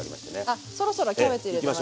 あっそろそろキャベツ入れてもらって。